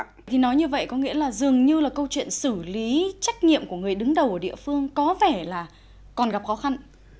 thì nói như vậy có nghĩa là dường như là câu chuyện xử lý trách nhiệm của người đứng đầu ở địa phương có vẻ là còn gặp khó khăn